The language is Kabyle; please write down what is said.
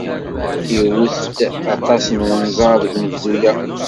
Iwet-d aṭas n wenẓar deg unebdu-a.